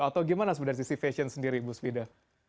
atau gimana sebenarnya sisi fashion sendiri bu svida